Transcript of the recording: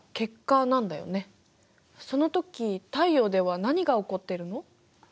そのとき太陽では何が起こっているの？